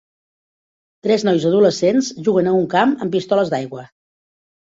Tres nois adolescents juguen a un camp amb pistoles d'aigua.